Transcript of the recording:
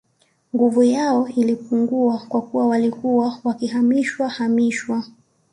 Nguvu yao ilipungua kwa kuwa walikuwa wakihamishwa hamishwa